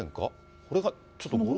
これがちょっと。